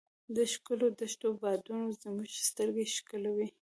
د ښکلو دښتو بادونو زموږ سترګې ښکلولې.